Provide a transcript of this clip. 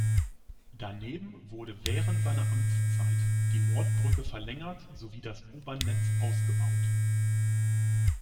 Daneben wurde während seiner Amtszeit die Nordbrücke verlängert sowie das U-Bahn-Netz ausgebaut.